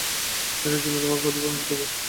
এটার জন্য তোমাকে ক্ষতি-পূরণ দিতে হবে।